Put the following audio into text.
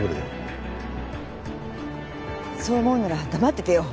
そう思うなら黙っててよ！